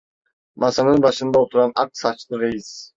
Masanın başında oturan ak saçlı reis: